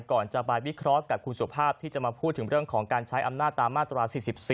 ก่อนจะไปวิเคราะห์กับคุณสุภาพที่จะมาพูดถึงเรื่องของการใช้อำนาจตามมาตรา๔๔